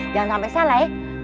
jangan sampe salah ya